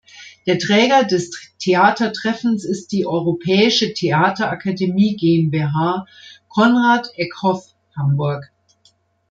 Der Träger des Theatertreffens ist die "Europäische Theaterakademie GmbH „Konrad Ekhof“ Hamburg".